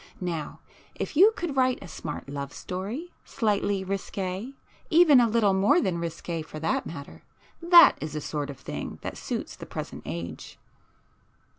Now if you could write a smart love story, slightly risqué,—even a little more than risqué for that matter; that is the sort of thing that suits the present age."